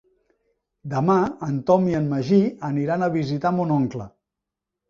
Demà en Tom i en Magí aniran a visitar mon oncle.